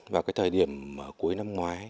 vào cái thời điểm cuối năm ngoái